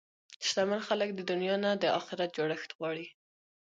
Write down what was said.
شتمن خلک د دنیا نه د اخرت جوړښت غواړي.